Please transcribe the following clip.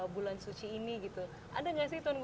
bulan suci ini ada nggak sih